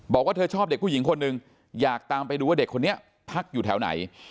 บอกว่าเธอชอบเด็กผู้หญิงคนหนึ่งอยากตามไปดูว่าเด็กคนนี้พักอยู่แถวไหน